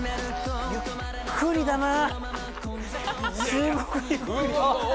すごいゆっくり。